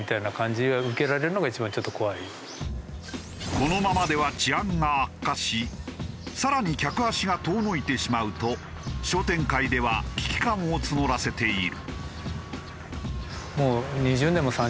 このままでは治安が悪化し更に客足が遠のいてしまうと商店会では危機感を募らせている。